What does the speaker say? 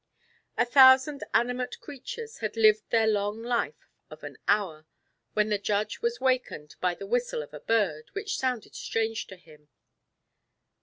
A thousand animate creatures had lived their long life of an hour, when the judge was wakened by the whistle of a bird, which sounded strange to him.